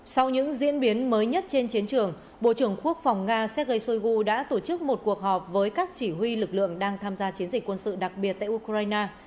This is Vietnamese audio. sau những diễn biến mới nhất trên chiến trường bộ trưởng quốc phòng nga sergei shoigu đã tổ chức một cuộc họp với các chỉ huy lực lượng đang tham gia chiến dịch quân sự đặc biệt tại ukraine